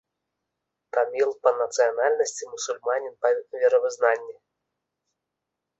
Таміл па нацыянальнасці, мусульманін па веравызнанні.